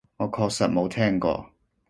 我確實冇聽過